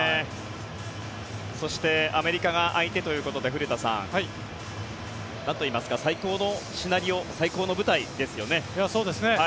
そしてアメリカが相手ということで古田さん、なんといいますか最高のシナリオ最高の舞台ですよね。